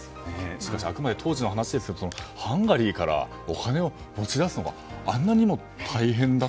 しかし、あくまで当時の話ですが、ハンガリーからお金を持ち出すのがあんなにも大変だったと。